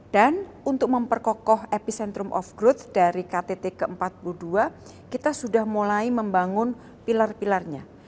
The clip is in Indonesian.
dan untuk memperkokoh epicentrum of growth dari ktt ke empat puluh dua kita sudah mulai membangun pilar pilarnya